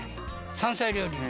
山菜料理。